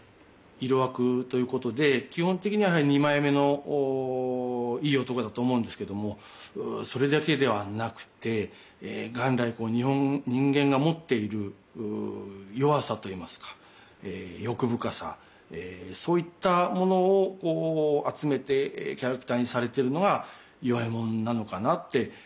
色悪ということで基本的にはやはり二枚目のいい男だと思うんですけどもそれだけではなくて元来人間が持っている弱さといいますか欲深さそういったものをこう集めてキャラクターにされてるのが与右衛門なのかなって思います。